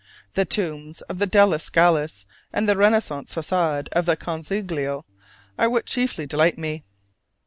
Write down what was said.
The Tombs of the Della Scalas and the Renaissance façade of the Consiglio are what chiefly delight me.